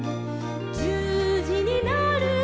「じゅうじになると」